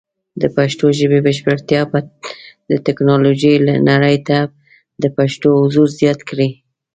د پښتو ژبې بشپړتیا به د ټیکنالوجۍ نړۍ ته د پښتنو حضور زیات کړي.